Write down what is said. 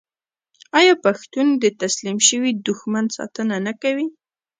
آیا پښتون د تسلیم شوي دښمن ساتنه نه کوي؟